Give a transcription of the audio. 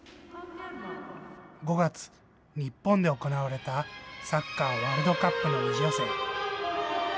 ５月、日本で行われたサッカーワールドカップの２次予選。